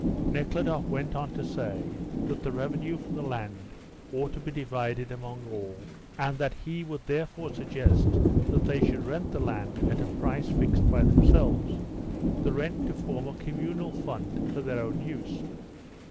Nekhludoff went on to say that the revenue from the land ought to be divided among all, and that he would therefore suggest that they should rent the land at a price fixed by themselves, the rent to form a communal fund for their own use.